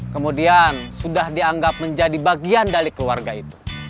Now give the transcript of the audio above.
kemudian sudah dianggap menjadi bagian dari keluarga itu